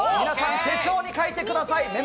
皆さん、手帳に書いてください。